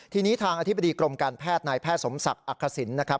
ทีนี้ทางอธิบดีกรมการแพทย์นายแพทย์สมศักดิ์อักษิณนะครับ